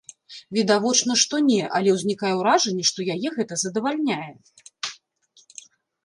Відавочна, што не, але ўзнікае ўражанне, што яе гэта задавальняе.